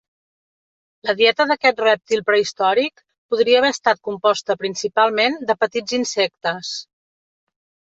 La dieta d'aquest rèptil prehistòric podria haver estat composta principalment de petits insectes.